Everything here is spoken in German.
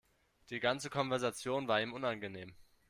Die ganze Konversation war ihm unangenehm.